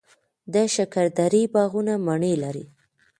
د شکردرې باغونه مڼې لري.